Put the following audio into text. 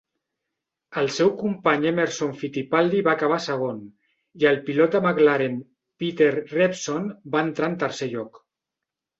El seu company Emerson Fittipaldi va acabar segon i el pilot de McLaren Peter Revson va entrar en tercer lloc.